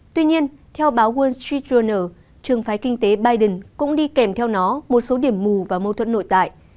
tuy nhiên theo báo wall street journal trường phái kinh tế biden cũng đi kèm theo nó một số điểm mù và mâu thuẫn nội tại